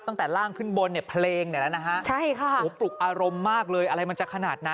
ใครบางคนจะพาหน้าตาแล้วมาขอดีประตู